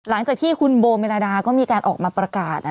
หลังจากที่คุณโบเมรดาก็มีการออกมาประกาศ